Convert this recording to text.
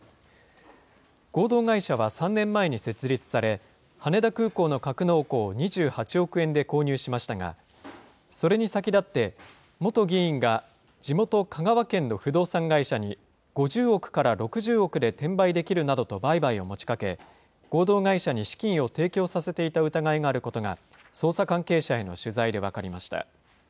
合同会社は３年前に設立され、羽田空港の格納庫を２８億円で購入しましたが、それに先立って、元議員が地元、香川県の不動産会社に、５０億から６０億で転売できるなどと売買を持ちかけ、合同会社に資金を提供させていた疑いがあることが、捜査関係者への取材で分かりました。